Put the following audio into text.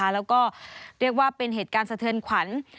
แล้วก็เรียกว่าเป็นเหตุการณ์สะเทือนขวัญ